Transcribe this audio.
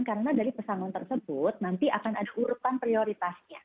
karena dari pesan tersebut nanti akan ada urutan prioritasnya